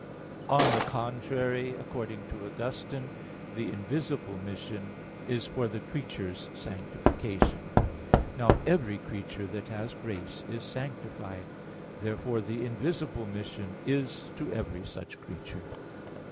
On the contrary, According to Augustine (De Trin. iii, 4; xv, 27), the invisible mission is for the creature's sanctification. Now every creature that has grace is sanctified. Therefore the invisible mission is to every such creature.